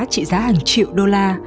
trị giá hàng triệu đô la